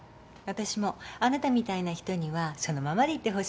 私もあなたみたいな人にはそのままでいてほしいわ。